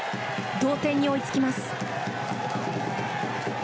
同点に追いつきます。